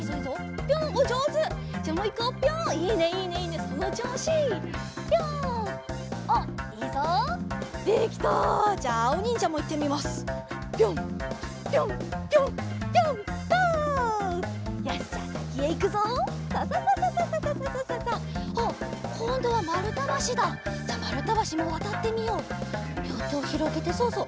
りょうてをひろげてそうそう。